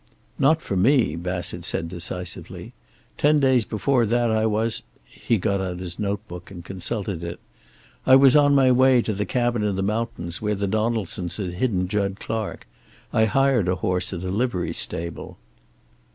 "Not for me," Bassett said decisively. "Ten days before that I was " he got out his notebook and consulted it. "I was on my way to the cabin in the mountains, where the Donaldsons had hidden Jud Clark. I hired a horse at a livery stable."